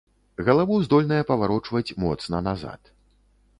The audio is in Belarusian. Галаву здольная паварочваць моцна назад.